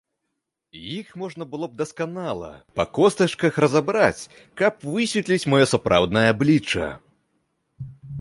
Іх можна было б дасканала, па костачках, разабраць, каб высветліць маё сапраўднае аблічча.